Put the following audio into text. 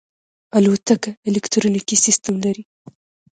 الوتکه الکترونیکي سیستم لري.